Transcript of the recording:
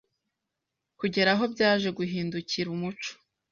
kugera aho byaje guhindukira umuco.